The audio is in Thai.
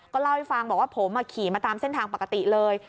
เล่าให้ฟังบอกว่าผมขี่มาตามเส้นทางปกติเลย